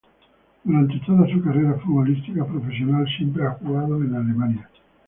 Durante toda su carrera futbolística profesional, siempre ha jugado en Alemania.